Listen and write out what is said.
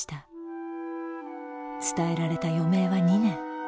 伝えられた余命は２年。